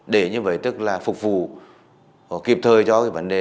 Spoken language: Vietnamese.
để như vậy tức là phục vụ kịp thời cho cái vấn đề